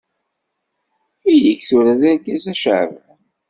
Ili-k tura d argaz a Caɛban!